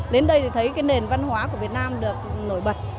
đến đây thì thấy cái nền văn hóa của việt nam được nổi bật